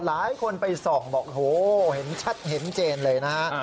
หลายคนไปส่องโธ่เห็นชัดเจนเลยนะฮะ